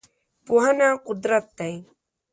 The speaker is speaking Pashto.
پوهنه قدرت دی.